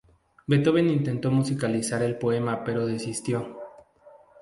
Beethoven intentó musicalizar el poema pero desistió.